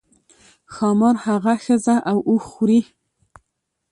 ښامار هغه ښځه او اوښ خوري.